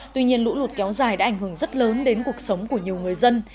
tuy nhiên lũ lụt kéo dài đã ảnh hưởng rất lớn đến cuộc sống của nhiều người dân